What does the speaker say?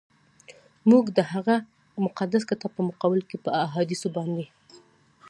موږ د هغه مقدس کتاب په مقابل کي په احادیثو باندي.